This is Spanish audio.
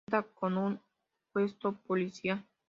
Cuenta con un puesto policial.